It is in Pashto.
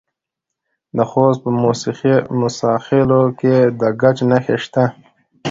د خوست په موسی خیل کې د ګچ نښې شته.